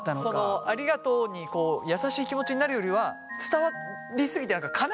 ありがとうに優しい気持ちになるよりは伝わり過ぎて何か悲しくなっちゃう。